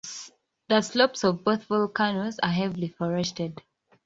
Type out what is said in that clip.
The slopes of both volcanoes are heavily forested.